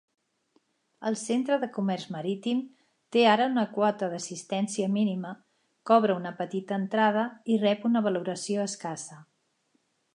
El Centre de Comerç Marítim té ara una quota d'assistència mínima, cobra una petita entrada i rep una valoració escassa.